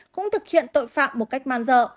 cũng thực hiện tội phạm một cách man dợ